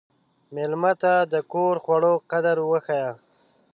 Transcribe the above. مېلمه ته د کور د خوړو قدر وښیه.